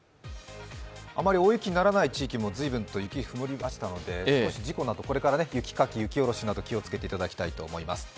あまり大雪にならない地域もずいぶんと雪が降りましたので少し事故など、これから雪かき、雪下ろしなど気をつけていただきたいと思います。